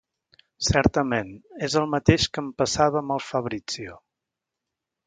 Certament, és el mateix que em passava amb el Fabrizio.